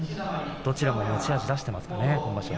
どちらも持ち味出していますかね、今場所。